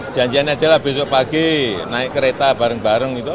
janjiannya jalan besok pagi naik kereta bareng bareng gitu